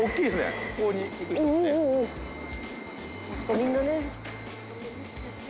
みんなね。